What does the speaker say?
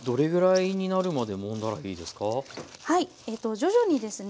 徐々にですね